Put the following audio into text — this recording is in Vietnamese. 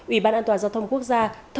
ủy ban an toàn giao thông quốc gia